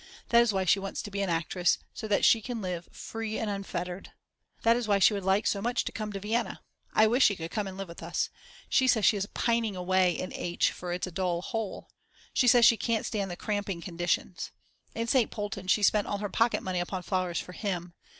That is why she wants to be an actress and so that she can live free and unfettered. That is why she would like so much to come to Vienna. I wish she could come and live with us. She says she is pining away in H. for it's a dull hole. She says she can't stand these cramping conditions. In St. Polten she spent all her pocket money upon flowers for him.